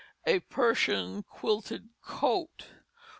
A Persian Quilted Coat.